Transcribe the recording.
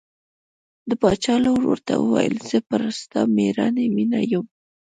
د باچا لور ورته وویل زه پر ستا مېړانې مینه یم.